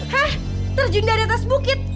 hah terjun dari atas bukit